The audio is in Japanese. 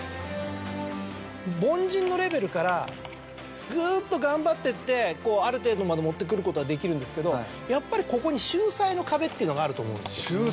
凡人のレベルからぐっと頑張ってってある程度まで持ってくることはできるんですけどやっぱりここに。っていうのがあると思うんですよ。